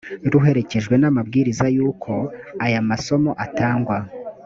ruherekejwe n’amabwiriza y’uko aya masomo atangwa